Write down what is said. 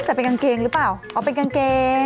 แต่เป็นกางเกงหรือเปล่าอ๋อเป็นกางเกง